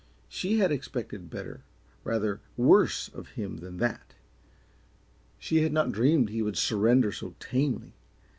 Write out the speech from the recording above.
She had expected better rather, worse of him than that. She had not dreamed he would surrender so tamely.